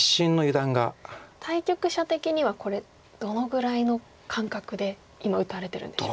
対局者的にはこれどのぐらいの感覚で今打たれてるんでしょう？